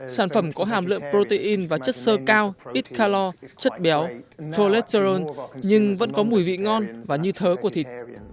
sản phẩm có hàm lượng protein và chất sơ cao ít calor chất béo cholesterol nhưng vẫn có mùi vị ngon và như thớ của thịt